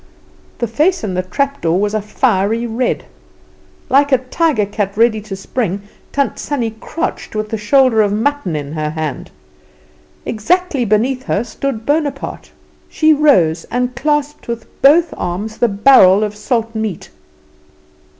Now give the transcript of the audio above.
The face in the trap door was a fiery red. Like a tiger cat ready to spring. Tant Sannie crouched, with the shoulder of mutton in her hand. Exactly beneath her stood Bonaparte. She rose and clasped with both arms the barrel of salt meat.